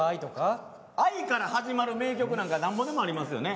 愛から始まる名曲なんか何ぼでもありますよね。